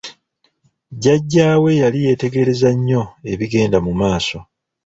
Jjajjaawe yali yeetegereza nnyo ebigenda mu maaso.